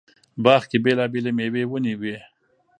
باغ کې بېلابېلې مېوې ونې وې.